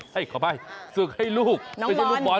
ขอบความคิดฝึกให้ลูกไม่ใช่ลูกบอล